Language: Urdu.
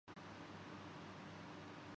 یہ اصطلاحیں مغرب کے سماجی پس منظر میں ظاہر ہوئیں۔